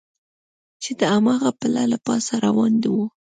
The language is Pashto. چې د هماغه پله له پاسه روان و.